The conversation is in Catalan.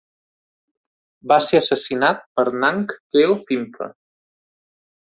Va ser assassinat per Nang Keo Phimpha.